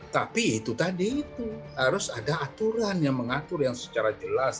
tapi itu tadi itu harus ada aturan yang mengatur yang secara jelas